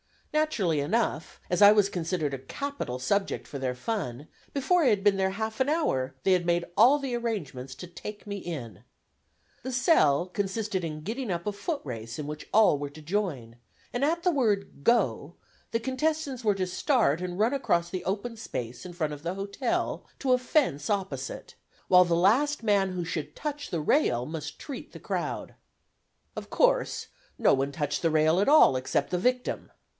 Naturally enough, as I was considered a capital subject for their fun, before I had been there half an hour they had made all the arrangements to take me in. The "sell" consisted in getting up a footrace in which all were to join, and at the word "go" the contestants were to start and run across the open space in front of the hotel to a fence opposite, while the last man who should touch the rail must treat the crowd. [Illustration: BARNUM FIVE SECONDS AHEAD] Of course, no one touched the rail at all, except the victim.